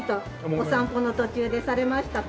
お散歩の途中でされましたか？